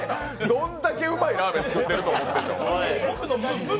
どんだけうまいラーメン作ってると思てるの？